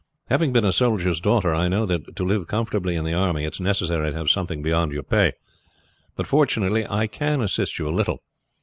Having been a soldier's daughter, I know that to live comfortably in the army it is necessary to have something beyond your pay; but fortunately I can assist you a little.